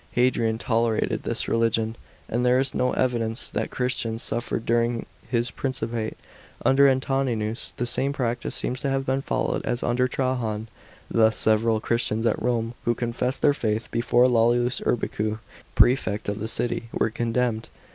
Hadrian tolerated this religion, and there is no evidence that Christians suffered during his principate. Under Antoninus the same practice seems to have been followed as under Trajan. Thus several Christians at Rome, who confessed their faith before Lollius Urbicu*, prefect of the city, were condemned.